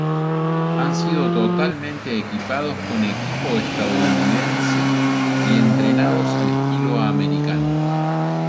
Han sido totalmente equipados con equipo estadounidense y entrenados al estilo americano.